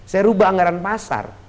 saya berubah anggaran pasar